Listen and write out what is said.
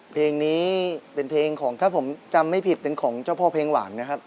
เพลงนี้เป็นเพลงของถ้าผมจำไม่ผิดเป็นของเจ้าพ่อเพลงหวานนะครับ